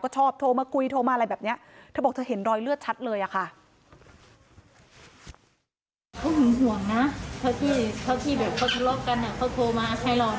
ชอบโทรมาคุยโทรมาอะไรแบบนี้เธอบอกเธอเห็นรอยเลือดชัดเลยอะค่ะ